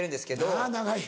なぁ長い。